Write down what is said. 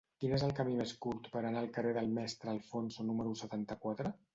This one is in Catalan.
Quin és el camí més curt per anar al carrer del Mestre Alfonso número setanta-quatre?